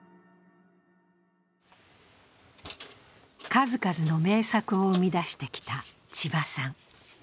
数々の名作を生み出してきたちばさん。